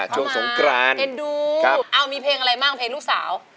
ช่วงสงกรานเอ็นดูมีเพลงอะไรบ้างเพลงลูกสาว